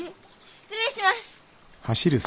失礼します。